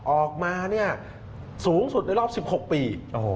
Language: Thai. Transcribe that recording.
ออกมาสูงสุดในรอบ๑๖ปี